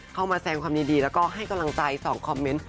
เข้ามาแสงความยินดีแล้วก็ให้กำลังใจ๒คอมเมนต์